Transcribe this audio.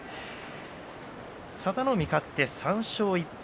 佐田の海、勝って３勝１敗。